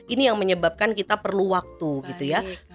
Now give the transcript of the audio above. ini yang menyebabkan kita perlu waktu gitu ya